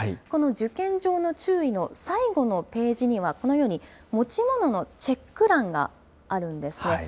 この受験上の注意の最後のページには、このように、持ち物のチェック欄があるんですね。